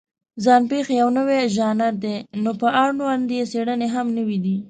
ځان پېښې یو نوی ژانر دی، نو په اړوند یې څېړنې هم نوې دي.